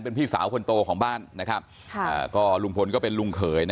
เป็นพี่สาวคนโตของบ้านนะครับก็ลุงพลก็เป็นลุงเขยนะ